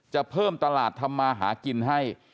จะเพิ่มตลาดทำมาหากินให้